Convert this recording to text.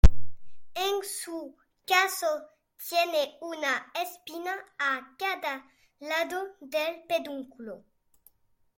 En su caso tiene una espina a cada lado del pedúnculo.